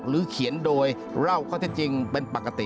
หรือเขียนโดยเราก็จริงเป็นปกติ